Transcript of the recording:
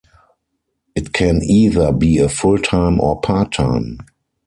It can either be a full-time or part-time.